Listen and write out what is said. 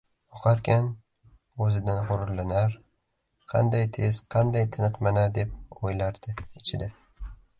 Oqarkan, oʻzidan gʻururlanar, qanday tez, qanday tiniqman-a, deb oʻylardi ichida.